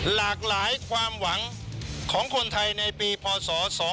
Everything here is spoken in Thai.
หลากหลายความหวังของคนไทยในปีพศ๒๕๖